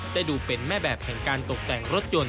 ได้ดูเป็นแม่แบบแห่งการตกแต่งรถยนต์